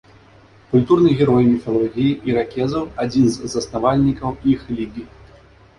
Культурны герой міфалогіі іракезаў, адзін з заснавальнікаў іх лігі.